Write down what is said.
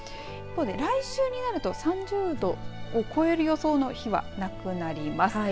来週になると３０度を超える予想の日はなくなります。